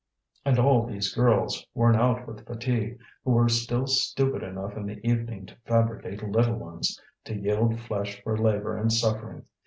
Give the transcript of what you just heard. And all these girls, worn out with fatigue, who were still stupid enough in the evening to fabricate little ones, to yield flesh for labour and suffering!